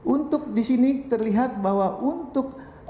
untuk di sini terlihat bahwa untuk